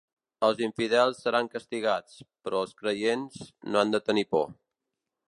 Els infidels seran castigats, però els creients no han de tenir por.